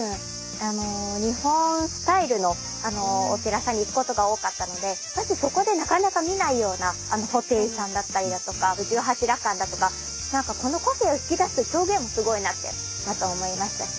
あの日本スタイルのお寺さんに行くことが多かったのでまずそこでなかなか見ないようなあの布袋さんだったりだとか十八羅漢だとかこの個性を引き出す表現もすごいなってまた思いましたし